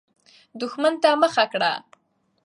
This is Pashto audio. دښمن ته مخه کړه.